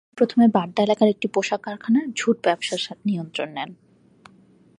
তিনি প্রথম বাড্ডা এলাকার একটি পোশাক কারখানার ঝুট ব্যবসার নিয়ন্ত্রণ নেন।